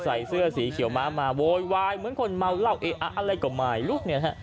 ใส่เสื้อสีเขียวม้ามาโหยวายเหมือนคนเมาเหล้าเอ๊ะอะอะไรก็ไม่